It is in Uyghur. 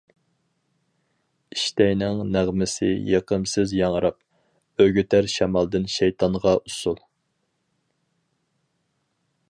ئىشتەينىڭ نەغمىسى يېقىمسىز ياڭراپ، ئۆگىتەر شامالدىن شەيتانغا ئۇسسۇل.